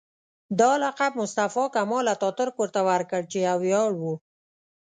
دا لقب مصطفی کمال اتاترک ورته ورکړ چې یو ویاړ و.